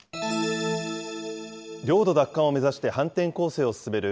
領土奪還を目指して反転攻勢を進める